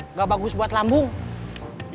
nggak bagus buat lambung